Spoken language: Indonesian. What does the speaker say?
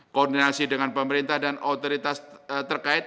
koordinasi dengan pemerintah dan otoritas terkait